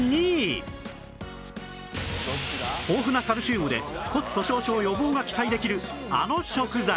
豊富なカルシウムで骨粗しょう症予防が期待できるあの食材